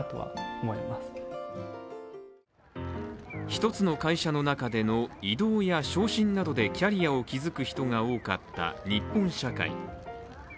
一つの会社の中での異動や昇進などでキャリアを築く人が多かった日本社会。